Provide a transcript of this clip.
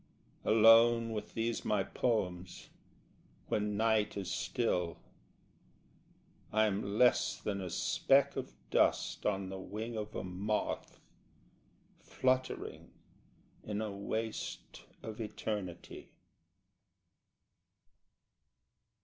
Alone with these my poems, when night is still, I am less than a speck of dust on the wing of a moth Fluttering in a waste of eternity.